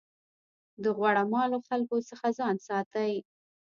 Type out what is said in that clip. د غوړه مالو خلکو څخه ځان ساتئ.